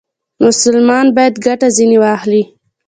مسلمان باید ګټه ځنې واخلي.